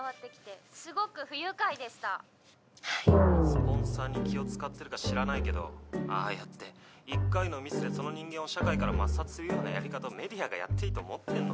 ☎スポンサーに気を使ってるかしらないけどああやって一回のミスでその人間を社会から抹殺するようなやり方メディアがやっていいと思ってんの？